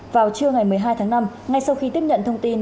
vào trưa ngày một mươi hai tháng năm ngay sau khi tiếp nhận thông tin